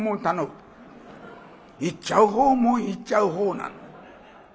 行っちゃうほうも行っちゃうほうなの。